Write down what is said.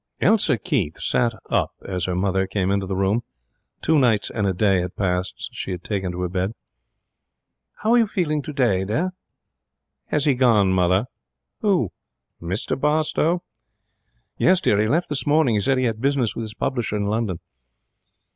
Elsa Keith sat up as her mother came into the room. Two nights and a day had passed since she had taken to her bed. 'How are you feeling today, dear?' 'Has he gone, mother?' 'Who?' 'Mr Barstowe?' 'Yes, dear. He left this morning. He said he had business with his publisher in London.'